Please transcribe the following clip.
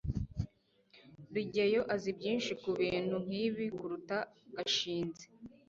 rugeyo azi byinshi kubintu nkibi kuruta gashinzi